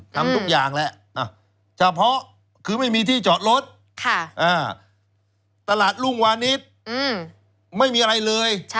ทำทุกอย่างแหละเฉพาะคือไม่มีที่จอดรถตลาดรุ่งวานิสไม่มีอะไรเลย